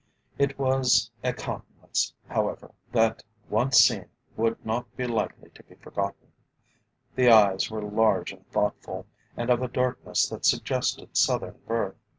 It was a countenance, however, that once seen would not be likely to be forgotten. The eyes were large and thoughtful, and of a darkness that suggested Southern birth.